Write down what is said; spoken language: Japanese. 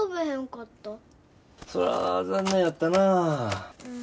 そら残念やったなぁ。